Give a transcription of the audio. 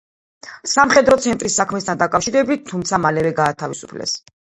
სამხედრო ცენტრის საქმესთან დაკავშირებით, თუმცა მალევე გაათავისუფლეს.